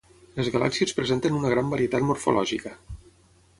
Les galàxies presenten una gran varietat morfològica.